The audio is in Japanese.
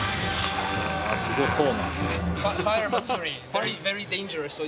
すごそう。